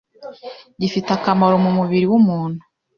gifite akamaro mu mubiri w’umuntu